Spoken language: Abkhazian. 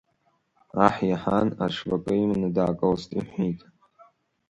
Аҳ иаҳан, аҽвакы иманы даакылст, иҳәит.